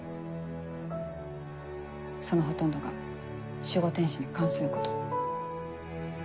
そのほとんどが守護天使に関すること。